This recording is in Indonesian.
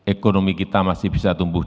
ekonomi kita masih bisa tumbuh